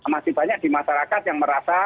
masih banyak di masyarakat yang merasa